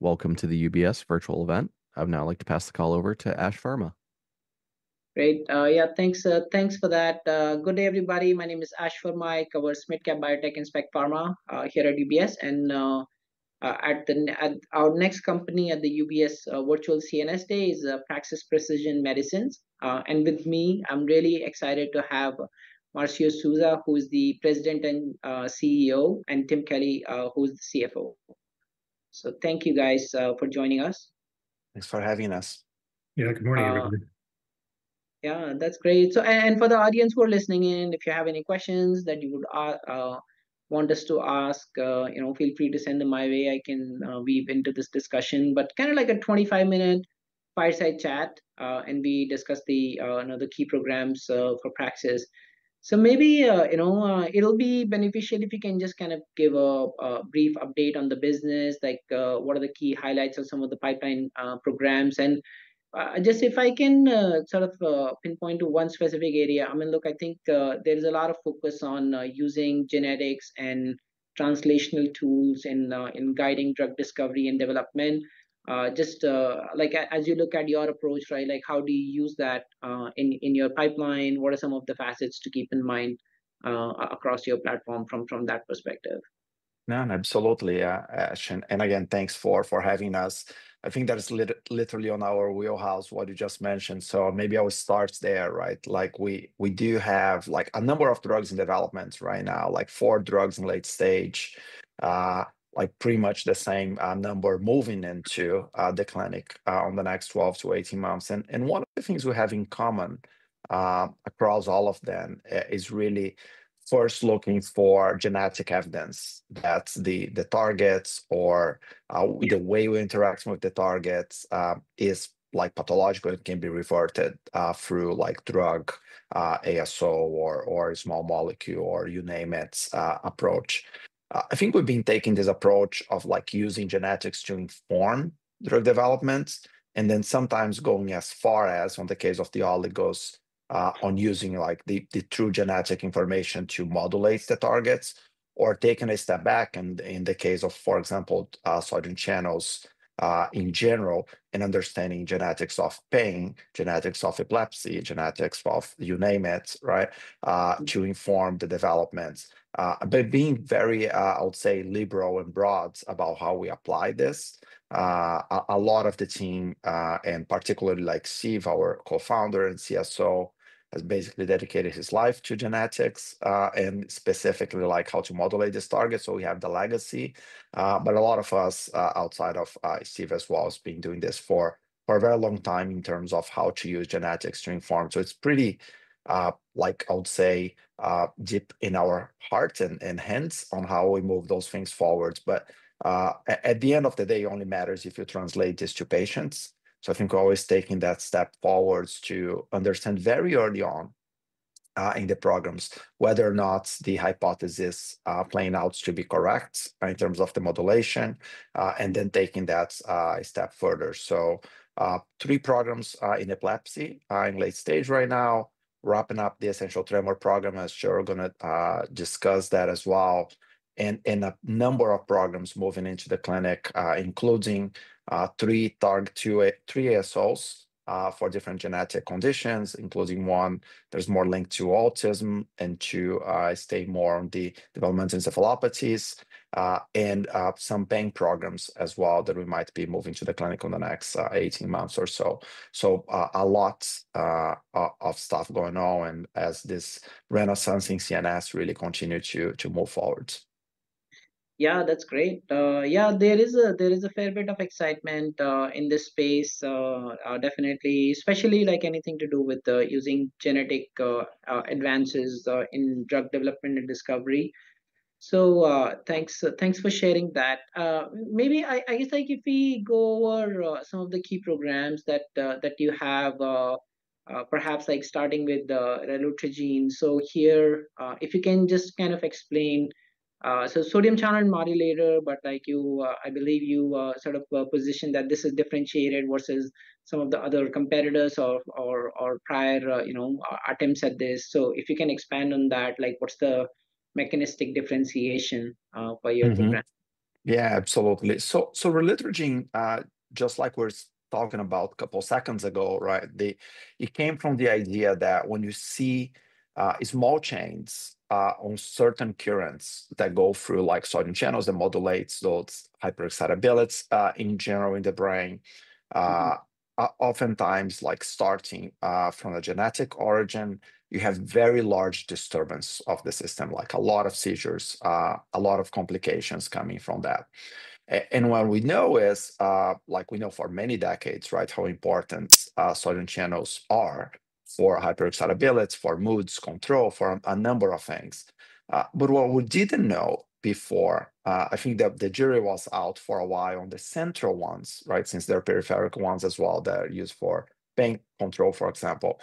Welcome to the UBS virtual event. I would now like to pass the call over to Ash Verma. Great. Yeah, thanks. Thanks for that. Good day, everybody. My name is Ash Verma. I cover small cap biotech and equity pharma here at UBS. At our next company at the UBS virtual CNS day is Praxis Precision Medicines. And with me, I'm really excited to have Marcio Souza, who is the President and CEO, and Tim Kelly, who is the CFO. Thank you, guys, for joining us. Thanks for having us. Yeah, good morning, everybody. Yeah, that's great. And so for the audience who are listening in, if you have any questions that you would want us to ask, you know feel free to send them my way. I can weave into this discussion. But kind of like a 25-minute fireside chat, and we discuss the key programs for Praxis. So maybe you know it'll be beneficial if you can just kind of give a brief update on the business, like what are the key highlights of some of the pipeline programs. And just if I can sort of pinpoint to one specific area, I mean, look, I think there's a lot of focus on using genetics and translational tools in guiding drug discovery and development. Just like as you look at your approach, right, how do you use that in your pipeline? What are some of the facets to keep in mind across your platform from that perspective? No, absolutely, Ash. Again, thanks for having us. I think that's literally in our wheelhouse, what you just mentioned. Maybe I will start there, right? Like we, we do have like number of drugs in development right now, like four drugs in late stage, like pretty much the same number moving into the clinic in the next 12 to 18 months. And one of the things we have in common across all of them is really first looking for genetic evidence that the targets or the way we interact with the targets is like pathological. It can be reverted through like drug, ASO, or small molecule, or you name it approach. I think we've been taking this approach of like using genetics to inform drug development and then sometimes going as far as, in the case of the oligos, on using like the true genetic information to modulate the targets or taking a step back in the case of, for example, sodium channels in general and understanding genetics of pain, genetics of epilepsy, genetics of, you name it, right, to inform the development. But being very, I would say, liberal and broad about how we apply this, a lot of the team, and particularly like Steve, our co-founder and CSO, has basically dedicated his life to genetics and specifically like how to modulate these targets. We have the legacy. But a lot of us outside of Steve as well have been doing this for a very long time in terms of how to use genetics to inform. It is pretty, like I would say, deep in our hearts and hands on how we move those things forward. But at the end of the day, it only matters if you translate this to patients. So I think always taking that step forward to understand very early on in the programs whether or not the hypothesis playing out to be correct in terms of the modulation, and then taking that step further. So three programs in epilepsy are in late stage right now, wrapping up the essential tremor program, as you are going to discuss that as well, and and a number of programs are moving into the clinic, including three ASOs for different genetic conditions, including one that's more linked to autism and to stay more on the development of encephalopathies, and some pain programs as well that we might be moving to the clinic in the next 18 months or so. So a lots of stuff going on as this renaissance in CNS really continues to move forward. Yeah, that's great. Yeah, there is a fair bit of excitement in this space, definitely, especially like anything to do with using genetic advances in drug development and discovery. So thanks thanks for sharing that. Maybe I guess if we go over some of the key programs that that you have, perhaps starting with the relutrigine. So here, if you can just kind of explain, so sodium channel modulator, but like you I believe you sort of position that this is differentiated versus some of the other competitors or or or prior you know attempts at this. If you can expand on that, like what's the mechanistic differentiation for your program? Yeah, absolutely. So so relutrigine, just like we were talking about a couple of seconds ago, right, it came from the idea that when you see small changes on certain currents that go through like sodium channels, that modulates those hyperexcitabilities in general in the brain, oftentimes like starting from a genetic origin, you have very large disturbance of the system, like a lot of seizures, a lot of complications coming from that. And what we know is, like we know for many decades, right, how important sodium channels are for hyperexcitabilities, for moods, control, for a number of things. But what we didn't know before, I think the jury was out for a while on the central ones, right, since there are peripheral ones as well that are used for pain control, for example,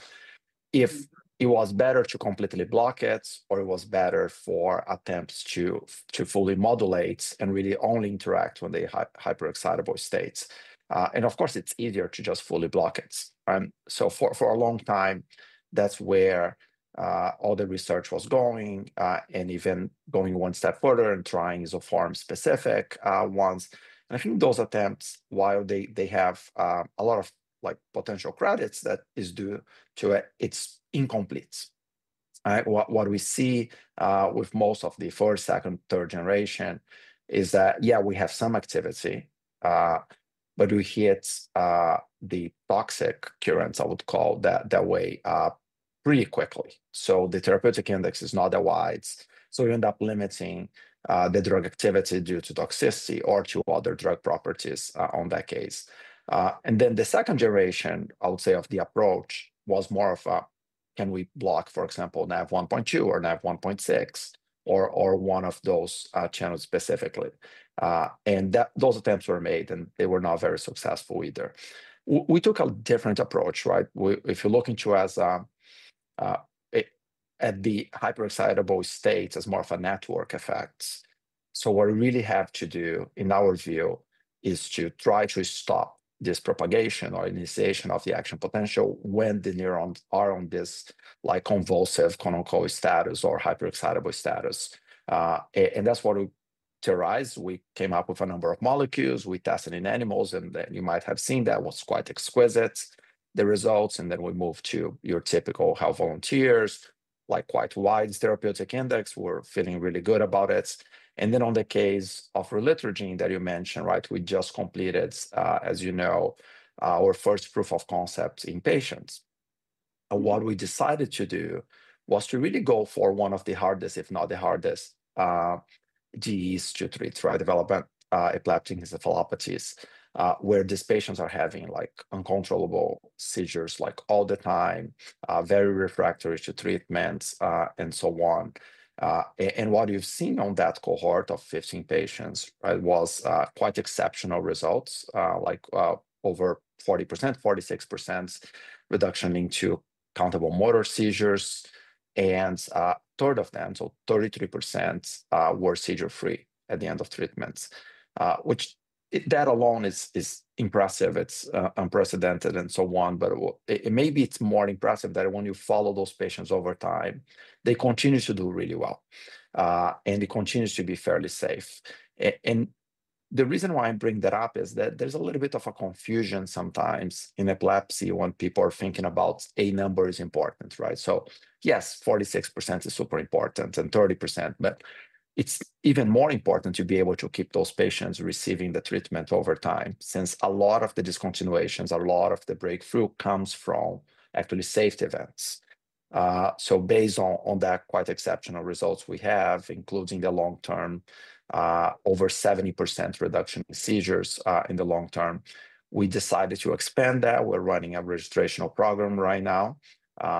if it was better to completely block it or it was better for attempts to to fully modulate and really only interact when they are in hyperexcitable states. And of course, it's easier to just fully block it. So for for a long time, that's where all the research was going and even going one step further and trying isoform-specific ones. And I think those attempts, while they have a lot of like potential, credit is due to it's incomplete. And what we see with most of the first, second, third generation is that, yeah, we have some activity, but we hit the toxic currents, I would call that way, pretty quickly. So the therapeutic index is not that wide. So we end up limiting the drug activity due to toxicity or to other drug properties on that case. And then the second generation, I would say, of the approach was more of a, can we block, for example, NAV1.2 or NAV1.6 or or one of those channels specifically? And those attempts were made, and they were not very successful either. We took a different approach, right? If you look into us at the hyperexcitable states as more of a network effects, so what we really have to do in our view is to try to stop this propagation or initiation of the action potential when the neurons are on this like convulsive status or hyperexcitable status. And that's what we theorized. We came up with a number of molecules. We tested in animals, and you might have seen that was quite exquisite, the results. And then we moved to your typical healthy volunteers, like quite wide therapeutic index. We're feeling really good about it. And then on the case of relutrigine that you mentioned, right, we just completed, as you know, our first proof of concept in patients. What we decided to do was to really go for one of the hardest, if not the hardest, disease to treat, right, developmental and epileptic encephalopathies where these patients are having like uncontrollable seizures like all the time, very refractory to treatments, and so on. And what you've seen on that cohort of 15 patients was quite exceptional results, like over 40%, 46% reduction into countable motor seizures. And a third of them, so 33%, were seizure-free at the end of treatments, which that alone is is impressive. It's unprecedented and so on. But it will maybe it's more impressive that when you follow those patients over time, they continue to do really well, and it continues to be fairly safe. And and the reason why I bring that up is that there's a little bit of a confusion sometimes in epilepsy when people are thinking about a number is important, right? So yes, 46% is super important and 30%, but it's even more important to be able to keep those patients receiving the treatment over time since a lot of the discontinuations, a lot of the breakthrough comes from actually safety events. So based on that quite exceptional results we have, including the long-term over 70% reduction in seizures in the long-term, we decided to expand that. We're running a registration program right now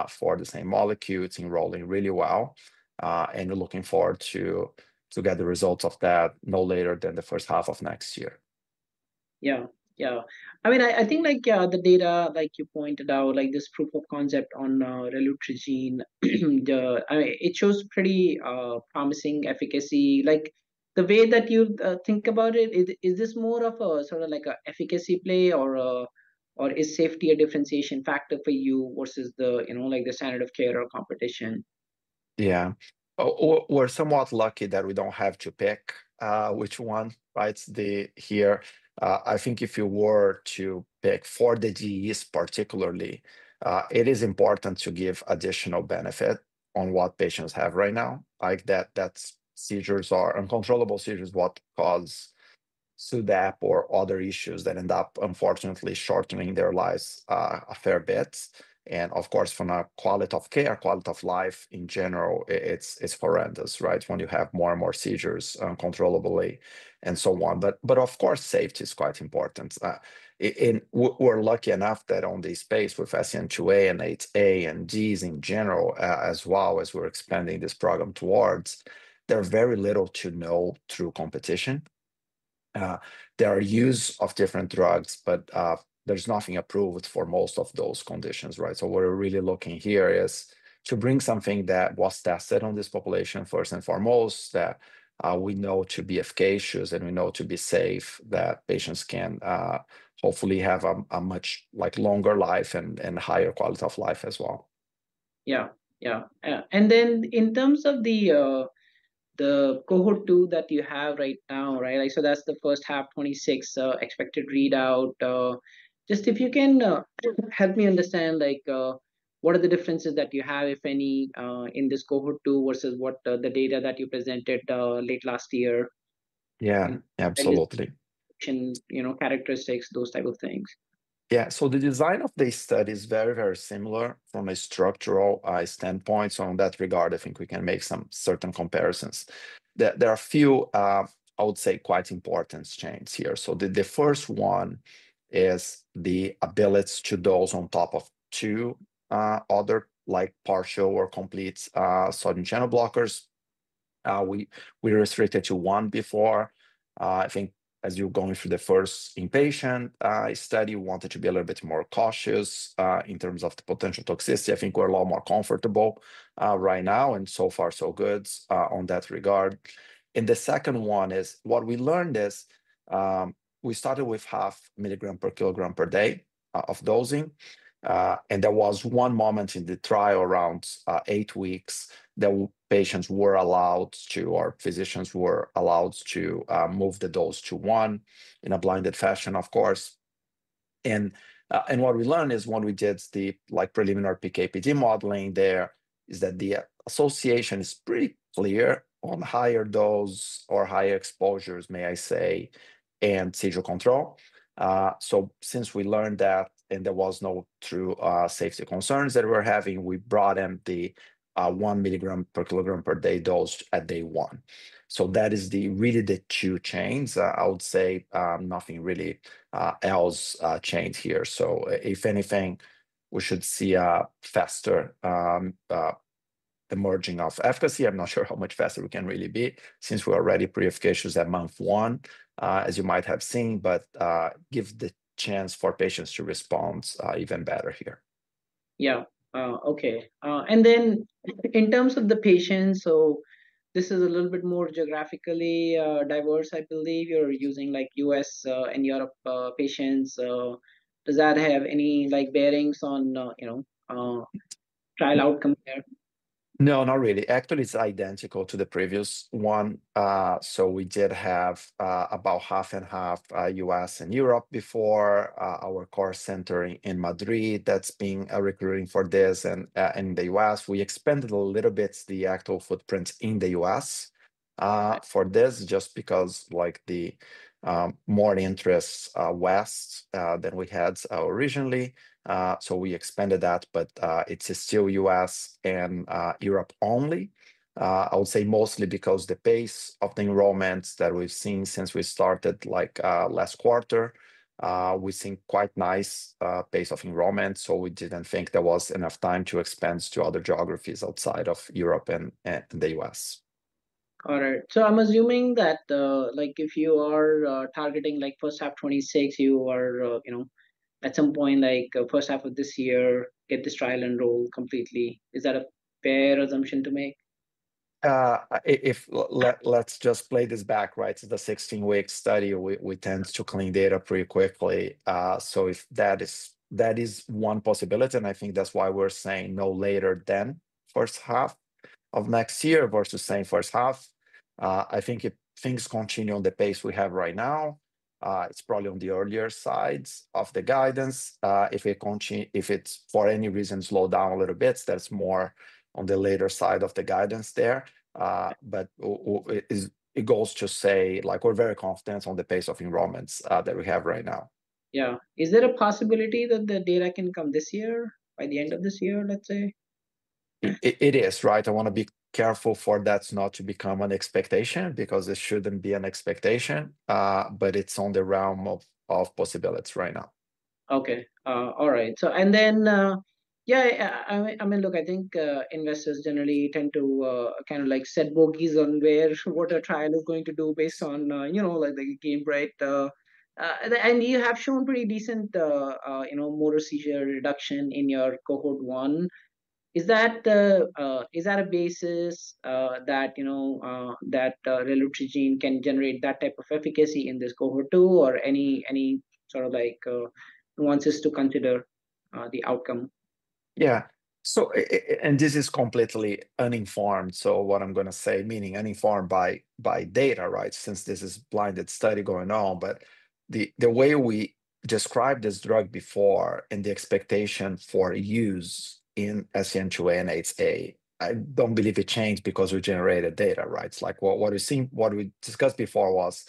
for the same molecules. It's enrolling really well. And we're looking forward to to get the results of that no later than the first half of next year. Yeah. Yeah. I mean, I think like the data, like you pointed out, like this proof of concept on relutrigine, it shows pretty promising efficacy. Like the way that you think about it, is this more of a sort of like a efficacy play or is safety a differentiation factor for you versus the standard you know of care or competition? Yeah. We're somewhat lucky that we don't have to pick which one, right, here. I think if you were to pick for the disease particularly, it is important to give additional benefit on what patients have right now. That's seizures, are uncontrollable seizures, what cause SUDEP or other issues that end up unfortunately shortening their lives a fair bit. And of course, from a quality of care, quality of life in general, it's horrendous, right, when you have more and more seizures uncontrollably and so on. But of course, safety is quite important. In we're lucky enough that on the space with SCN2A and 8A and DEEs in general as well as we're expanding this program towards, there are very little to no true competition. There are use of different drugs, but there's nothing approved for most of those conditions, right? So we're really looking here is to bring something that was tested on this population, first and foremost, that we know to be efficacious and we know to be safe, that patients can hopefully have a much like longer life and higher quality of life as well. Yeah. Yeah. And then in terms of the cohort two that you have right now, right? That is the first half, 2026 expected readout. Just if you can help me understand like what are the differences that you have, if any, in this cohort two versus what the data that you presented late last year? Yeah, absolutely. Characteristics, those type of things. Yeah. So the design of this study is very, very similar from a structural standpoint. So in that regard, I think we can make some certain comparisons. There are a few, I would say, quite important changes here. So the first one is the ability to dose on top of two other like partial or complete sodium channel blockers. We restricted to one before. I think as you're going through the first inpatient study, you wanted to be a little bit more cautious in terms of the potential toxicity. I think we're a lot more comfortable right now and so far, so good on that regard. And the second one is what we learned is we started with half milligram per kilogram per day of dosing. And there was one moment in the trial around eight weeks that patients were allowed to, or physicians were allowed to move the dose to one in a blinded fashion, of course. And and what we learned is when we did the preliminary PKPD modeling there is that the associations pretty clear on higher dose or higher exposures, may I say, and seizure control. So since we learned that and there was no true safety concerns that we were having, we broadened the one milligram per kilogram per day dose at day one. So that is the really the two chains. I would say nothing really else changed here. So if anything, we should see a faster emerging of efficacy. I'm not sure how much faster we can really be since we're already pretty efficacious at month one, as you might have seen, but give the chance for patients to responds even better here. Yeah. Okay. And then in terms of the patients, so this is a little bit more geographically diverse, I believe. You're using like U.S. and Europe patients. Does that have any bearings on you know trial outcome there? No, not really. Actually, it's identical to the previous one. So we did have about half and half U.S. and Europe before our core center in Madrid that's been recruiting for this in the U.S. We expanded a little bit the actual footprint in the U.S. for this just because like the more interest west than we had originally. So we expanded that, but it's still U.S. and Europe only. I would say mostly because the pace of the enrollments that we've seen since we started like last quarter, we've seen quite nice pace of enrollment. So we didn't think there was enough time to expand to other geographies outside of Europe and the U.S. All right. So I am assuming that like if you are targeting like first half 2026, you are you know at some point, like first half of this year, get this trial enrolled completely. Is that a fair assumption to make? If let's just play this back, right? The 16-week study, we tend to clean data pretty quickly. So if that is that is one possibility. And I think that's why we're saying no later than first half of next year versus same first half. I think if things continue on the pace we have right now, it's probably on the earlier sides of the guidance. If it's for any reason slowed down a little bit, that's more on the later side of the guidance there. But it goes to say like we're very confident on the pace of enrollments that we have right now. Yeah. Is it a possibility that the data can come this year, by the end of this year, let's say? It is, right? I want to be careful for that not to become an expectation because it shouldn't be an expectation, but it's on the realm of possibilities right now. Okay. All right. So and then yeah, I mean, I mean look, I think investors generally tend to kind like of set bogeys on where what a trial is going to do based on the game, right? And you have shown pretty decent you know motor seizure reduction in your cohort one. Is that is that a basis that you know that relutrigine can generate that type of efficacy in this cohort two or any any sort of like nuances to consider the outcome? Yeah. So and this is completely uninformed. So what I'm going to say, meaning uninformed by data, right, since this is a blinded study going on. But the way we described this drug before and the expectation for use in SCN2A and 8A, I don't believe it changed because we generated data, right? Like what we seen what we discussed before was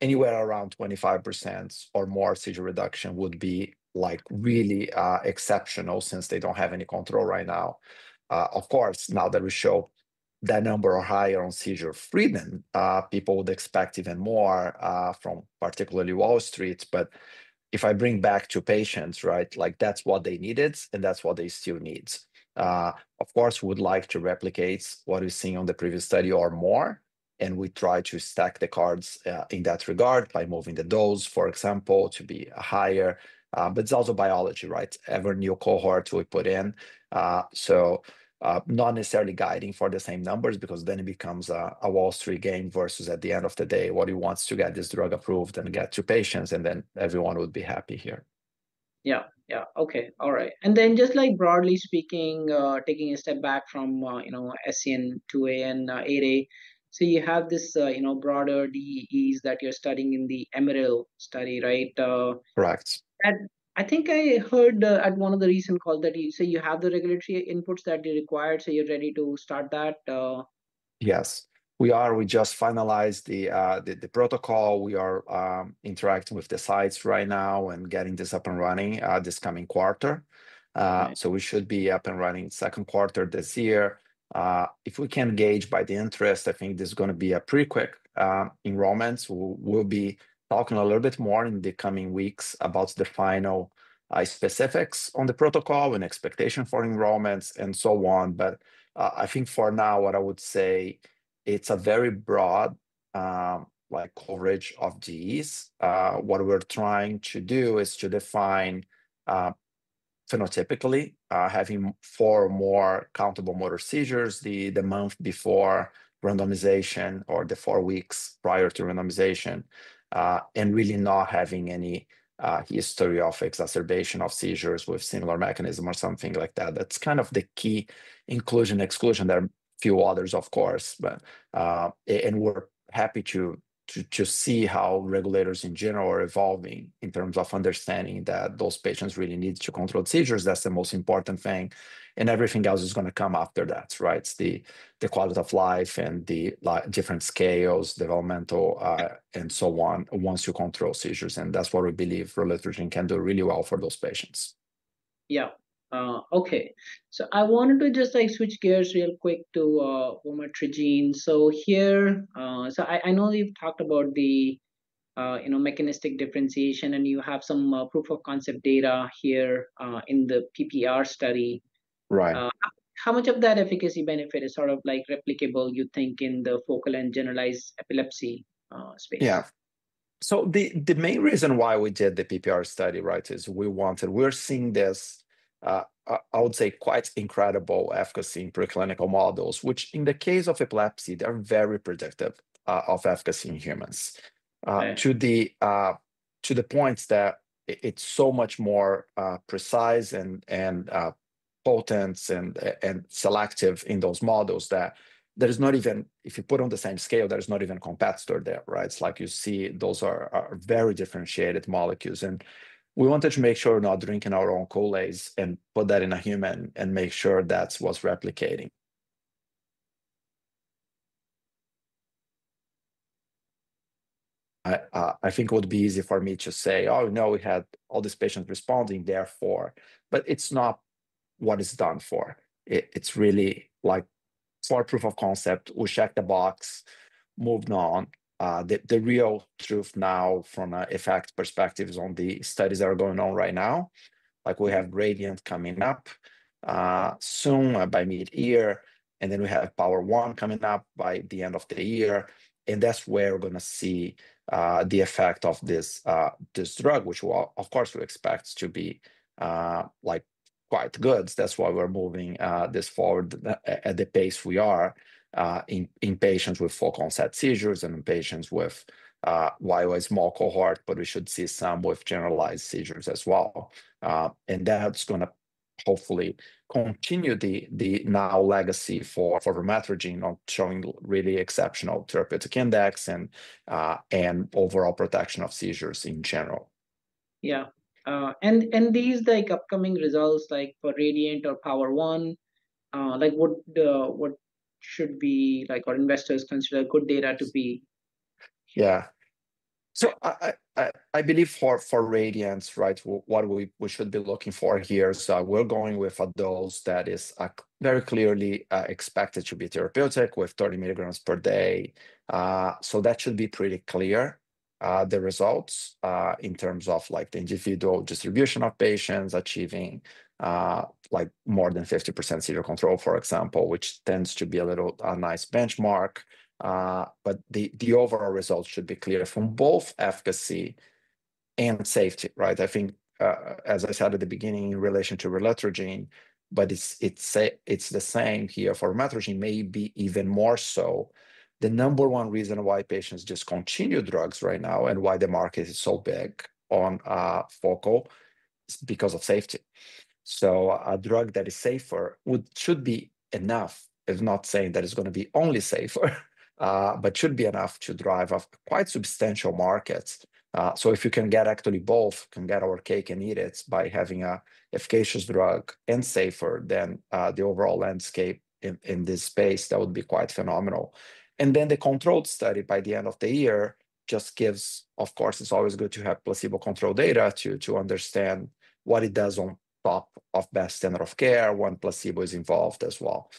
anywhere around 25% or more seizure reduction would be like really exceptional since they don't have any control right now. Of course, now that we show that numbers are higher on seizure freedom, people would expect even more from particularly Wall Street. But if I bring back to patients, right, that's what they needed and that's what they still need. Of course, we'd like to replicate what we've seen on the previous study or more. And we try to stack the cards in that regard by moving the dose, for example, to be higher. But it's also biology, right? Every new cohort we put in. Not necessarily guiding for the same numbers because then it becomes a Wall Street game versus at the end of the day, what he wants to get this drug approved and get to patients, and then everyone would be happy here. Yeah. Yeah. Okay. All right. And then just like broadly speaking, taking a step back from you know SCN2A and 8A, see you have this you know broader DEEs that you're studying in the EMBOLD study, right? Correct. I think I heard at one of the recent calls that you say you have the regulatory inputs that you required. So are you ready to start that? Yes. We are. We just finalized the protocol. We are interacting with the sites right now and getting this up and running this coming quarter. So we should be up and running Q2 this year. If we can gauge by the interest, I think there's going to be a pretty quick enrollment. We'll be talking a little bit more in the coming weeks about the final specifics on the protocol and expectation for enrollments and so on. But I think for now, what I would say, it's a very broad like coverage of DEEs. What we're trying to do is to define phenotypically having four or more countable motor seizures the month before randomization or the four weeks prior to randomization and really not having any history of exacerbation of seizures with similar mechanism or something like that. That's kind of the key inclusion exclusion. There are a few others, of course. But and we are happy to see how regulators in general are evolving in terms of understanding that those patients really need to control seizures. That is the most important thing. And everything else is going to come after that, right? The quality of life and the different scales, developmental, and so on once you control seizures. And that's what we believe relutrigine can do really well for those patients. Yeah. Okay. So I wanted to just switch gears real quick to relutrigine. So here I know you've talked about the mechanistic differentiation, and you have some proof of concept data here in the PPR study. Right. How much of that efficacy benefit is sort of like replicable, you think, in the focal and generalized epilepsy space? Yeah. So the main reason why we did the PPR study, right, is we wanted—we're seeing this, I would say, quite incredible efficacy in preclinical models, which in the case of epilepsy, they're very predictive of efficacy in humans to the to the point that it's so much more precise and potent and selective in those models that there is not even, if you put on the same scale, there is not even a competitor there, right? It's like you see those are very differentiated molecules. And we wanted to make sure we're not drinking our own Kool-Aid and put that in a human and make sure that's what's replicating. I think it would be easier for me to say, "Oh, no, we had all these patients responding, therefore." But it's not what it's done for. It's really like smart proof of concept, we checked the box, moved on. The real truth now from an effect perspective is on the studies that are going on right now. Like we have RADIANT coming up soon by mid-year. And then we have POWER1 coming up by the end of the year. And that's where we're going to see the effect of this drug, which, of course, we expect to be quite good. That's why we're moving this forward at the pace we are in patients with focal onset seizures and in patients with, while a small cohort, but we should see some with generalized seizures as well. And that's going to hopefully continue the now legacy for relutrigine on showing really exceptional therapeutic index and overall protectional seizures in general. Yeah. And and these like upcoming results like for RADIANT or POWER1, like what what should be like our investors consider good data to be? Yeah. So I believe for for RADIANT, right, what we should be looking for here, we are going with a dose that is very clearly expected to be therapeutic with 30 milligrams per day. So that should be pretty clear, the results in terms of like individual distribution of patients achieving like more than 50% seizure control, for example, which tends to be a little nice benchmark. But the the overall results should be clear from both efficacy and safety, right? I think, as I said at the beginning, in relation to relutrigine, but it's it's the same here for relutrigine, maybe even more so. The number one reason why patients discontinue drugs right now and why the market is so big on focal is because of safety. So a drug that is safer would should be enough, I'm not saying that it's going to be only safer, but should be enough to drive quite substantial markets. So if you can get actually both, can get our cake and eat it by having an efficacious drug and safer, then the overall landscape in this space, that would be quite phenomenal. And then the controlled study by the end of the year just gives, of course, it's always good to have placebo-controlled data to understand what it does on top of best standard of care when placebo is involved as well.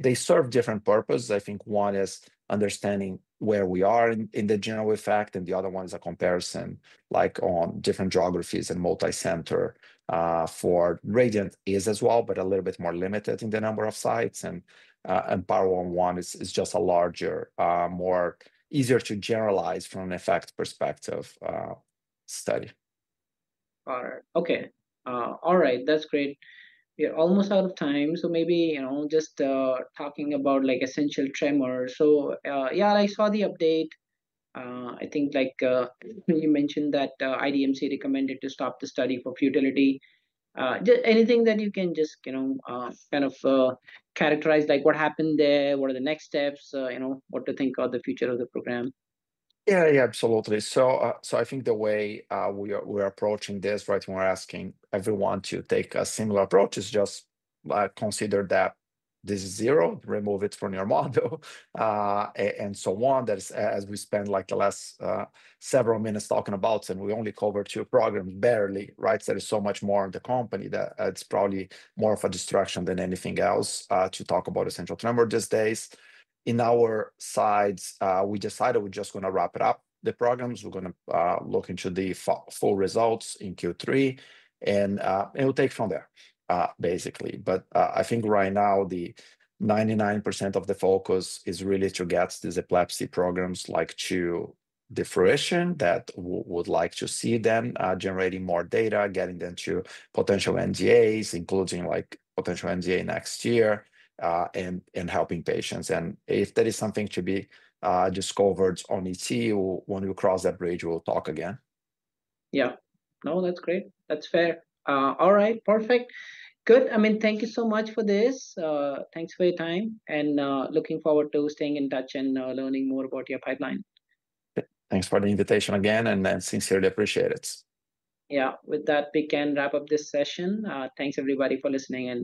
They serve different purposes. I think one is understanding where we are in the general effect, and the other one is a comparison like on different geographies and multi-center for RADIANT is as well, but a little bit more limited in the number of sites. And POWER1 is just a larger, more easier to generalize from an effect perspective study. All right. Okay. All right. That's great. We are almost out of time. So maybe you know just talking about like essential tremors. So yeah, like I saw the update. I think like you mentioned that IDMC recommended to stop the study for futility. Anything that you can just you know kind of characterize like what happened there? What are the next steps? You know what to think of the future of the program? Yeah, yeah, absolutely. So so I think the way we're approaching this, right, when we're asking everyone to take a similar approach is just consider that this is zero, remove it from your model, and so on. As we spent like the last several minutes talking about, and we only covered two programs barely, right? There is so much more in the company that it's probably more of a distraction than anything else to talk about essential tremor these days. In our sides, we decided we're just gonna wrap it up, the programs. We're gonna look into the full results in Q3, and and we'll take from there, basically. But I think right now, the 99% of the focus is really to get these epilepsy programs like to fruition that we would like to see them generating more data, getting them to potential NDAs, including like potential NDA next year, and helping patients. And if there is something to be discovered on ET, or when we cross that bridge, we'll talk again. Yeah. No, that's great. That's fair. All right. Perfect. Good. I mean, thank you so much for this. Thanks for your time. And looking forward to staying in touch and learning more about your pipeline. Thanks for the invitation again, and I sincerely appreciate it. Yeah. With that, we can wrap up this session. Thanks, everybody, for listening.